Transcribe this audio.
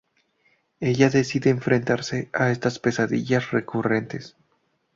Ella decide enfrentarse a estas pesadillas recurrentes.